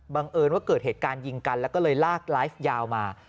เอิญว่าเกิดเหตุการณ์ยิงกันแล้วก็เลยลากไลฟ์ยาวมา